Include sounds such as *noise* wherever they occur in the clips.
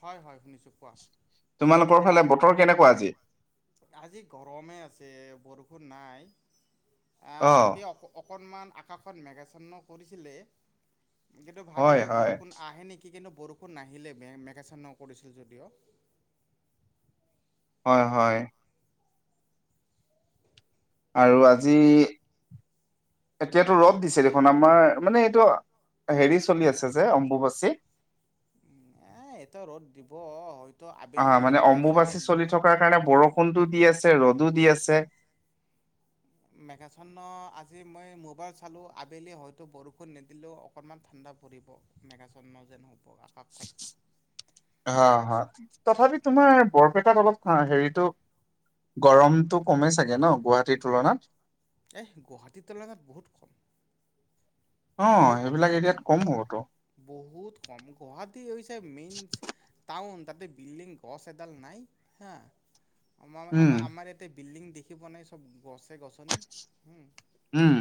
হয় হয় শুনিছোঁ কোৱা। তোমালোকৰ ফালে বতৰ কেনেকুৱা আজি? আজি গৰমে আছে, বৰষুণ নাই অ', ৰাতি অক অকণমান আকাশত মেঘাছন্ন কৰিছিলে কিন্তু হয়, ভাবিলোঁ হয়, বৰষুণ আহে নেকি কি কিন্তু বৰষুণ নাহিলে মে মেঘাছন্ন কৰিছিল যদিও। হয় হয়। আৰু আজি, এতিয়াতো ৰ'দ দিছে দেখোন, আমাৰ মানে এইটো হেৰি চলি আছে যে, অম্বুবাচী। এ এইটো ৰ'দ দিব, হয়তো অ মানে আবেলিলৈকে চাগে অম্বুবাচী চলি থকাৰ কাৰণে বৰষুণটো দি আছে, ৰ'দো দি আছে। মেঘাচ্ছন্ন, আজি মই মোবাইল চালোঁ আবেলি হয়তো বৰষুণ নিদিলেও অকণমান ঠাণ্ডা পৰিব। মেঘাচ্ছন্ন যেন হ'ব আকাশখন। অ', হয় তথাপি তোমাৰ বৰপেটাত অলপ হেৰিটো গৰমটো কমেই চাগে ন', গুৱাহাটীৰ তুলনাত। এহ্ গুৱাহাটী তুলনাত বহুত কম। বহু অ', কম সেইবিলাক এৰিয়াত কম হ'বতো। বহুত কম, গুৱাহাটী হৈছে মেইনচ টাউন, তাতে বিল্ডিং গছ এডাল নাই হা আমাৰ, উম আমাৰ আমাৰ ইয়াতে বিল্ডিং দেখি পোৱা নাই, চব গছে গছনি। উম।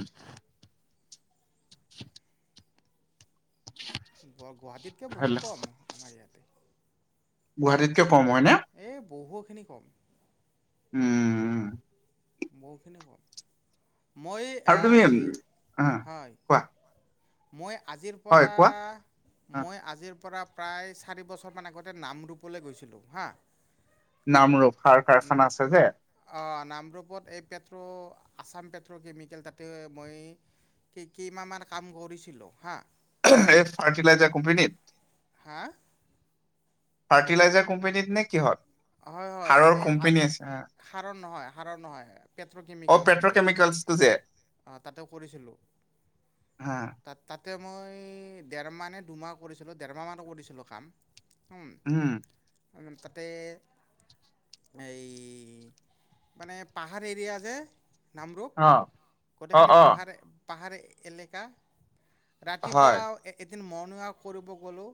*inaudible* গুৱা-গুৱাহাটীতকৈ হেল্ল'। বহুত কম আমাৰ ইয়াতে। গুৱাহাটীতকে কম হয় নে? এই বহুখিনি কম। উম। বহুখিনি কম। মই এই আৰু এ তুমি আজি, অ হয়, কোৱা মই আজিৰ হয় পৰা কোৱা অ মই আজিৰ পৰা প্ৰায়, চাৰি বছৰমান আগতে নামৰূপলে গৈছিলোঁ হা নামৰূপ, সাৰ কাৰখানা আছে যে। অ', নামৰূপত এই পেট্ৰ' আছাম পেট্ৰ'কেমিকেল তাতে মই, কেই- কেইমাহমান কাম কৰিছিলোঁ হা এই ফাৰ্টিলাইজাৰ কোম্পানীত। হা? ফাৰ্টিলাইজাৰ কোম্পেনীত নে কিহত? হয় হয়, সাৰৰ এই কোম্পেনী আছে সাৰ নহয় সাৰৰ নহয়, পেট্ৰ' কেমিকেল কোম্পানী। কেলছটোযে *unintelligible* অ', তাতে কৰিছিলোঁ। হা তাত তাতে মই ডেৰমাহ নে দুমাহ কৰিছিলোঁ, ডেৰমাহ মানো কৰিছিলোঁ কাম। উম। উম তাতে এই, মানে পাহাৰ এৰিয়া যে নামৰূপ অ'। অ গোটেইখিনি অ পাহাৰ, পাহাৰ এলেকা, হয় ৰাতিপুৱা এদিন মৰ্ণিং ৱাক কৰিব গ'লোঁ,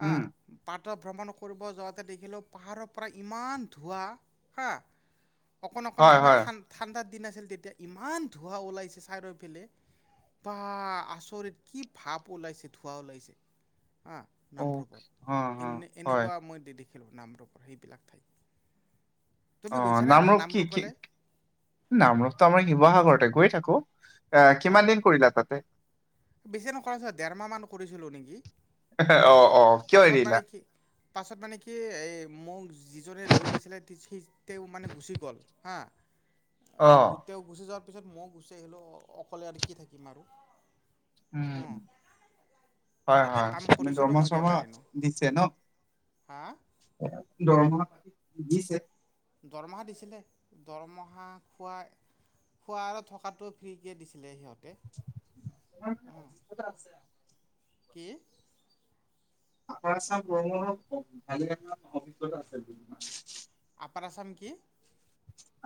হা উম *unintelligible* ভ্ৰমণ কৰিব যাওঁতে দেখিলোঁ, পাহাৰৰ পৰা ইমান ধোঁৱা হা, অকণ, অকণ হয় তোমাৰ হয় ঠান ঠাণ্ডাত দিন আছিল তেতিয়া ইমান ধোঁৱা ওলাইছে চাইডৰ ফেলে। বা, আচৰিত কি ভাপ ওলাইছে ধোঁৱা ওলাইছে, হা'! অ নামৰূপত, অ অ এনে হয় এনেকুৱা মই দেখিলোঁ নামৰূপৰ সেইবিলাক ঠাইত। অ তুমি গৈছা নে নামৰূপ কি কি না-নামৰূপলে? নামৰূপতো আমাৰ শিৱসাগৰতে গৈ থাকোঁ, এ, অঁ কিমান দিন কৰিলা তাতে? বেছি নকৰা, *unintelligible* ডেৰমাহ মান কৰিছিলোঁ নেকি, অ অ কিয় পাছত এৰিলা মানে কি পাছত মানে কি এই মোক যিজনে লৈ গৈছিলে, সি তেওঁ মানে গুচি গ'ল হা, অ গোটে গুচি যোৱাৰ পিছত ময়ো গুচি আহিলোঁ অকলে আৰু কি থাকিম আৰু। উম। হয়, তাতে হয়, কাম আপুনি কৰিছিলোঁ দৰমহা মই চৰমহা কেইবাদিনো দিছে ন! হা দৰমহা দিছে। দৰমহা দিছিলে, দৰমহা খোৱা খোৱা আৰু থকাটো ফ্ৰীকে দিছিলে সিহঁতে। *inaudible* কি? *inaudible* আপাৰ আছাম কি?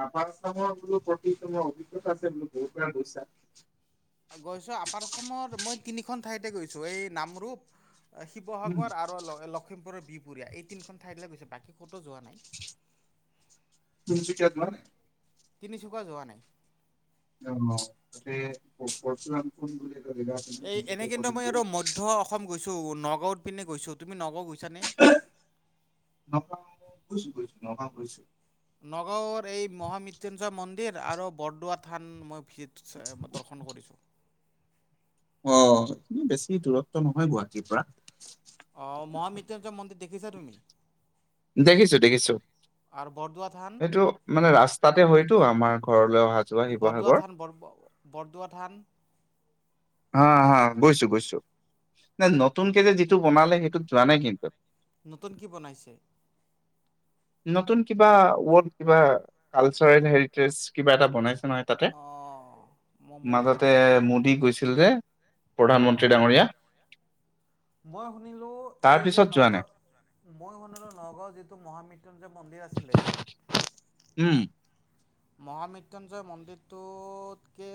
আাৰামৰ বোলো প্ৰতি তোমাৰ অভিজ্ঞতা আছে *unintelligible* বহুত বাৰ গৈছা। গৈছোঁ আপাৰ আছামৰ মই তিনিখন ঠাইতে গৈছোঁ এই নামৰূপ উম, শিৱসাগৰ আৰু ল-লখিমপুৰৰ বিহপুৰীয়া এই তিনিখন ঠাইলৈ গৈছোঁ বাকী ক'তো যোৱা নাই। তিনিচুকীয়াত মানে? তিনিচুকা যোৱা নাই। *inaudible* নহয় এই এনে তিনচুকীয়া কিন্তু অলপ মই আৰু দূৰত মধ্য অসম গৈছোঁ, নগাঁৱৰ পিনে গৈছোঁ। তুমি নগাঁও গৈছানে? নগাঁও গৈছোঁ, গৈছোঁ নগাঁও গৈছোঁ। নগাঁওৰ এই মহা মৃত্যুঞ্জয় মন্দিৰ আৰু বৰদোৱা থান মই ভিছিত, দৰ্শন কৰিছোঁ। অ', বেছি দূৰত্ব নহয় গুৱাহাটীৰ পা। অ', মহা মৃত্যুঞ্জয় মন্দিৰ দেখিছা তুমি? দেখিছোঁ, দেখিছোঁ। আৰু বৰদোৱা থান সেইটো মানে ৰাস্তাতে হয়তো আমাৰ ঘৰলৈ অহা যোৱা বৰদোৱা শিৱসাগৰ। থান বৰ বৰদোৱা থান? হা, হা, গৈছোঁ, গৈছোঁ। নাই নতুনকে যে যিটো বনালে সেইটো যোৱা নাই কিন্তু। নতুন কি বনাইছে? নতুন কিবা *unintelligible* কিবা কালচাৰেল হেৰিটেজ কিবা এটা বনাইছে নহয়! তাতে, অ' মই ময়ো যোৱা মাজতে নাই এইবিলাক। মোদী গৈছিল যে। প্ৰধানমন্ত্ৰী অ' ডাঙৰীয়া। মই শুনিলোঁ তাৰ এই যে পিছত যোৱা নাই। নগাঁও মই শুনিলোঁ নগাঁৱৰ যিটো মহামৃত্যুঞ্জয় মন্দিৰ আছিলে উম। মহামৃত্যুঞ্জয় মন্দিৰটোত কে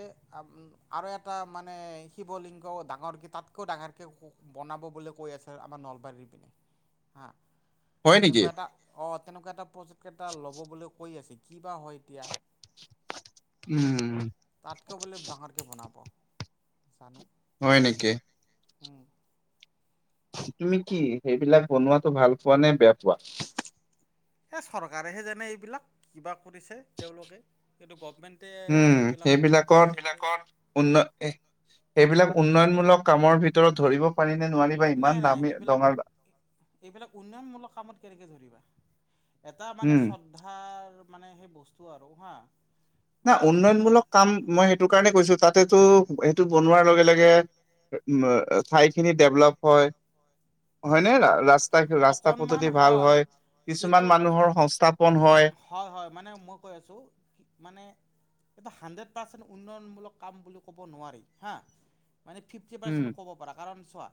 আৰু এটা মানে শিৱলিংগ ডাঙৰক তাতকৈও ডাঙৰকৈ ওখ বনাব বুলি কৈ আছে আমাৰ নলবাৰীৰ পিনে, হা। হয় নেকি? তেনেকুৱা এটা অ', তেনেকুৱা এটা প্ৰজেক্ট এটা ল'ব বুলি কৈ আছে কি বা হয়, এতিয়া। উম, উম। তাতকেও বোলে ডাঙৰকে বনাব, জানো। হয় নেকি? উম। তুমি কি সেইবিলাক বনোৱাটো ভাল পোৱা নে বেয়া পোৱা? সেই চৰকাৰেহে জানে এইবিলাক কিবা কৰিছে, তেওঁলোকে কিন্তু গভমেণ্ট টে এইবিলাক প্ৰজেক্ট বনাই আ উন্য, সেইবিলাক উন্নয়নমূলক কামৰ ভিতৰত ধৰিব পাৰি নে নোৱাৰি বা নাই ইমান নাই দামী সেইবিলাক দঙালবা এইবিলাক উন্নয়নমূলক কামত কেনেকে ধৰিবা, এটা মানে উম চ ধাৰ মানে সেই বস্তু আৰু হা। না মানে উন্নয়নমূলক কাম মই সেইটো কাৰণে কৈছোঁ, তাতেতো সেইটো বনোৱাৰ লগে লগে উ, ঠাইখিনি ডেভলপ হয়। হয়নে ৰাছ তাত ৰাস্তা পদ্ধতি ভাল হয়, কিছুমান কিন্তু মানুহৰ সংস্থাপন হয়। হয় হয়, মানে মই কৈ আছোঁ মানে এইটো হাণ্ড্ৰেড পাৰ্চেণ্ট উন্নয়নমূলক কাম বুলি ক'ব নোৱাৰি হা। মানে ফিফটি উম পাৰ্চেণ্ট ক'ব পাৰা কাৰণ চোৱা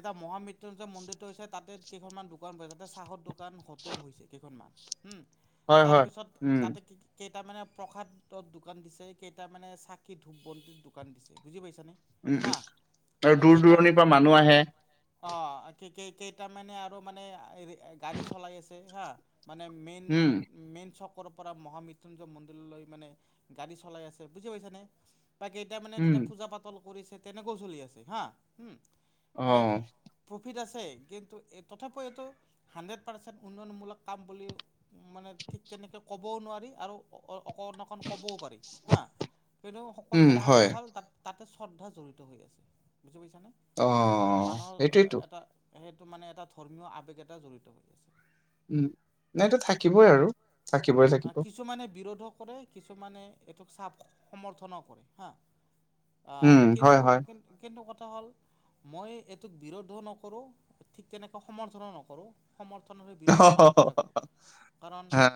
এটা মহামৃত্যুঞ্জয় মন্দিৰটো হৈছে তাতে কেইখনমান দোকান বই, তাতে চাহৰ দোকান হোটেল হৈছে কেইখনমান হুম হয় হয় তাৰপিছত উম তাতে কি কেইটামানে প্ৰসাদত দোকান দিছে, কেইটামানে চাকি ধূপ বন্তিত দোকান দিছে বুজি পাইছানে? উম, উ, হা আৰু দূৰ কেইটা দূৰণিৰ পৰা মানুহ আহে। অ' কি কেই-কেইটামানে আৰু মানে গাড়ী চলাই আছে হা। মানে মেইন উম মেইন চকৰপৰা মহামৃত্যুঞ্জয় মন্দিৰলৈ মানে গাড়ী চলাই আছে বুজি পাইছা নে? তাকেই মানে উম তাতে পূজা পাতল কৰিছে তেনেকৈ চলি আছে হা, অ মানে প্ৰফিট আছে কিন্তু এই তথাপি এইটো হাণ্ড্ৰেড পাৰ্চেণ্ট উন্নয়নমূলক কাম বুলি মানে ঠিক তেনেকে ক' ক'বও নোৱাৰি আৰু অ-অকণ অকণ ক'বও পাৰি হা, কিন্তু উম চবতকৈ ডাঙৰ কথা হয় হ'ল তাত তাতে শ্ৰদ্ধা জড়িত হৈ আছে, বুজি পাইিছানে? অ মানে মানুহৰ সেইটোৱেইটো এটা সেইটো মানে এটা ধৰ্মীয় আৱেগ এটা জড়িত হৈ আছে। উম, সেইটো থাকিবই আৰু। থাকিবই আ, থাকিব কিছুমানে বিৰোধো কৰে। কিছুমানে এইটোক চাপ সমৰ্থনো কৰে হা। উম হয় কিন্তু হয় কিন্তু কিন্তু কথা হ'ল মই এইটোক বিৰোধো নকৰোঁ, ঠিক তেনেকৈ সমৰ্থনো নকৰোঁ। সমৰ্থন আৰু বিৰোধনৰ মাজতে ৰাখোঁ কাৰণ হা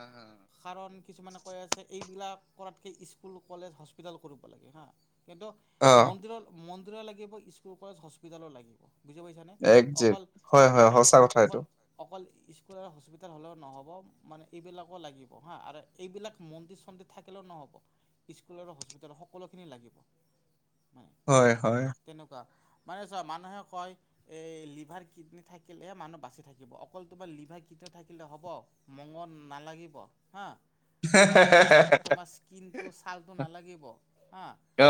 কাৰণ কিছুমানে কৈ আছে এইবিলাক কৰাতকে স্কুল, কলেজ, হস্পিটেল কৰিব লাগে হা। কিন্তু অ মন্দিৰো মন্দিৰো লাগিব, স্কুল, কলেজ, হস্পিতালো লাগিব। বুজি পাইছানে? একজেক্ট অকল, হয় হয় অকল, সঁচা কথা এইটো অকল অকল স্কুল আৰু হস্পিটেল হ'লেও নহ'ব, মানে এইবিলাকো লাগিব। হা, আৰু এইবিলাক মন্দি চন্দি থাকিলেও নহ'ব। স্কুল আৰু হস্পিটেলৰ সকলোখিনি লাগিব মানে। হয়, হয়। তেনেকুৱা মানে চোৱা মানুহে কয় এই লিভাৰ কিডনী থাকিলেহে মানুহ বাচি থাকিব, অকল তোমাৰ লিভাৰ কিডনী থাকিলে হ'ব? মঙত নালাগিব হা। বা তোমাৰ তোমাৰ স্কিনটো ছালটো নালাগিব হা। অ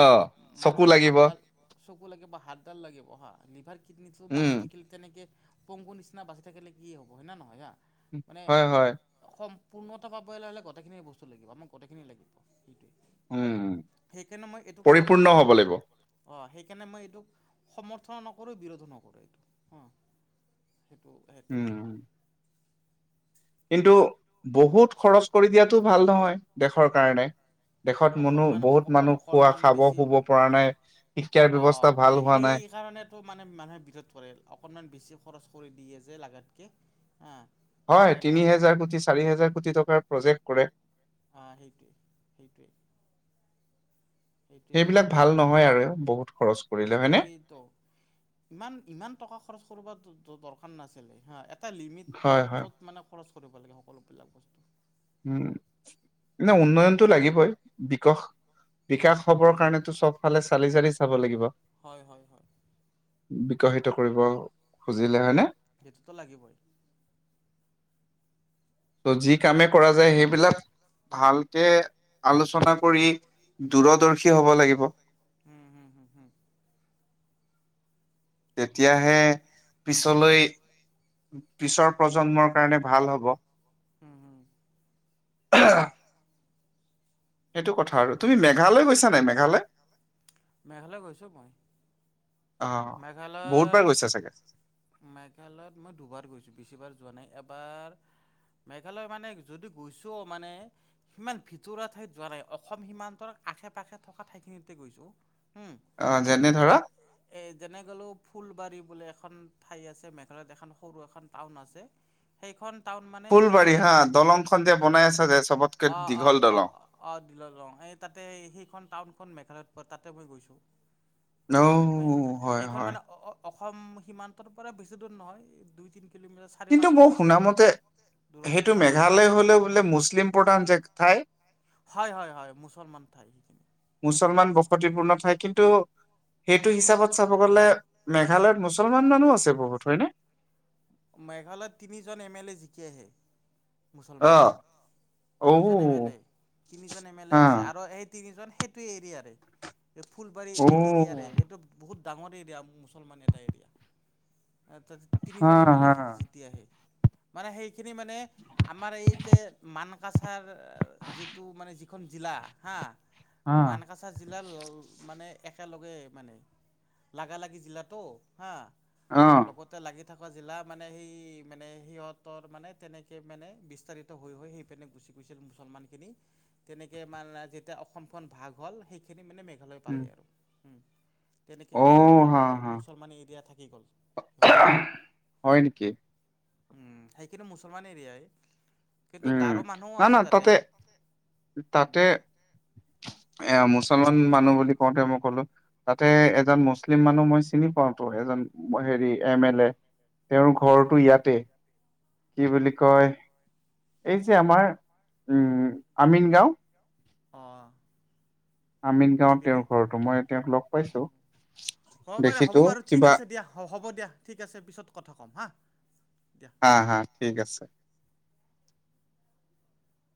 চকু মানুহৰ লাগিব হাতডাল চকু লাগিব বা হাতডাল লাগিব অ' হা, লিভাৰ কিডনটো উম বাচি থাকিল তেনেকে পংগু নিচিনা বাচি থাকিলে কি হ'ব হয় নে নহয় আ? হয়, হয়। সম্পূৰ্ণতা পাবলৈ হ'লে গোতেইখিনি বস্তু লাগিব, আমাক গোতেইখিনিয়ে লাগিব উম সেইটোৱেই। সেইকাৰণে মই এইটোক পৰিপূৰ্ণ চাপৰ্টো হ'ব নকৰো লাগিব অ', সেইকাৰণে মই এইটোক সমৰ্থন নকৰোঁ বিৰোধো নকৰোঁ এইটো অ' সেইটো স তেনেকুৱা। উম, কিন্তু বহুত খৰচ কৰি দিয়াতো ভাল নহয় দেশৰ কাৰণে। দেশত মনুহ অকণমান অ বহুত মানুহ খোৱা অকণমান খাব বেছি শুব পৰা নাই শিক্ষাৰ ব্যৱস্থা ভাল হোৱা সেই নাই। কাৰণে টো মানে মানুহে বিৰত পৰে অকণমান বেছি খৰচ কৰি দিয়ে যে লাগাতকৈ হা। হয় সেইকাৰণে তিনি অঁ হেজাৰ কোটি চাৰি হোজাৰ কোটি টকাৰ প্ৰজেক্ট কৰে। অ' সেইটোৱেই সেইটোৱেই। সেইবিলাক বহুত ভাল ডাঙৰ নহয় আৰু বহুত খৰচ সেই কৰিলে হয়নে। সেইটো ইমান ইমান টকা খৰচ কৰিব দৰকাৰ নাছিলে হা এটা হয়, হয়। লিমিটত মানে খৰচ কৰিব লাগে সকলোবিলাক বস্তু। উম, এনে উন্নয়নতটো লাগিবই বিকশ বিকাশ হবৰ উম কাৰণেতো চবফালে চালি চালি চাব লাগিব হয় হয় হয় বিকশিত কৰিব খুজিলে হয়নে সেইটোতো লাগিবই ত' যি কামে কৰা যায় সেইবিলাক ভালকে আলোচনা কৰি দূৰদৰ্শ মম হুম হুম তেতিয়াহে পিছলৈ পিছৰ প্ৰজন্মৰ কাৰণে ভাল হ'ব। হম হুম *inaudible* সেইটো কথা আৰু তুমি মে মেঘালয় গৈছো মই অ বহুতবাৰ মেঘালয় গৈছা চাগে মেঘালয়ত মই দুবাৰ গৈছোঁ বেছিভাৰ যোৱা নাই এবাৰ মেঘালয় মানে যদি গৈছোঁ মানে সিমান ভিতৰুৱা ঠাইত যোৱা নাই অসম সীমান্তৰ আশে পাশে থকা ঠাইখিনিতে গৈছোঁ অ', যেনে ধৰা এই যেনে গ'লেও ফুলবাৰী বুলিো এখন ঠাই আছে মেঘালয়ত এখন সৰু এখন টাউন আছে। সেইখন টাউন মানে এই যে ফুলবাৰী হা দলংখন যে বনাই আছা যে চবতকে অ', দীঘল অ', অ', দলং অ' অ', দল লওঁ এই তাতে সেইখন টাউনখন মেঘালয়ত প তাতে মই গৈছো অ', হয় হয় সেইখন হয় মানে অ অসম সীমান্তৰ পৰা বেছি দূৰ নহয় দুই তিন কিলোমিটাৰ চাৰি কিন্তু পাঁচ মই কিলোমিটাৰ শুনাামতে দূৰতে সেইটো হয় মেঘালয় হ'লে বোলে মুছলিম প্ৰধান যে ঠাই হয় হয় হয় মুছলমান ঠাই সেইখিনি মুছলমান বসতিপূৰ্ণ ঠাই কিন্তু সেইটো হিচাপত চাব গলে মেঘালয়ত মুছলমান মানুহ আছে বহুত হয়নে? মেঘালয়ত তিনিজন এম এল এ জিকি আহে মুছলমান অ', ঔ তিনিজন এম এল এ তিনিজন এম এল এ হা আছে আৰু এই তিনিজন সেইটো এৰিয়াাৰে ফুলবাৰী ঔ এৰিয়াাৰে এইটো বহুত ডাঙৰ এৰিয়া মুছলমান এটা এৰিয়া ত *inaudible* এ জিক কি যেতি আহে মানে সেইখিনি মানে আমাৰ এই যে মানকাচাৰ যিটো মানে যিখন জিলা হা হা কাছা জিলাৰ মানে একেলগে মানে লাগালাগি জিলাতো হা অ', লগতে লাগি থকা জিলা মানে সেই মানে সিহঁতৰ মানে তেনেকে মানে বিস্তাৰ হৈ সেই পিনে গুচি গৈছিল মুছলমান খিনি তেনেকৈ মানে যেতিয়া অসমখন ভাগ হ'ল সেইখিনি মানে মেঘালয় উম, পালে আৰু। তেনেকৈ সিহঁতৰ অ', মানে হা হা মুছলমান এৰিয়া থাকি গ'ল সিহঁতৰ। হয় নেকি? উম, সেইখিনি মুছলমান এৰিয়াই। কিন্তু উম, গাৰো মানুহো নাই না আছে তাতে উম, তাতে এ মুছলমান মানুহ বুলি কওঁতে মই ক'লো তাতে এজন মুছলিম মানুহ মই চিনি পাওতো এজন হেৰি এম এল এ। তেওঁৰ অ', আচ্ছা ঘৰটো ইয়াতে কি উম, বুলি কয় এই যে আমাৰ উম আমিন গাঁও। অঁ'। আমিন গাঁৱত তেওঁৰ ঘৰতো মই তেওঁক লগ অ' পাইছো। হ'ব পাৰে দে হ'ব দেখিছো বাৰু ঠিক কিবা আছে দিয়া হ'ব দিয়া। ঠিক আছে পিছত কথা ক'ম হাঁ দিয়া। হা হা ঠিক আছে।